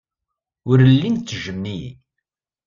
Ur llin ttejjmen-iyi.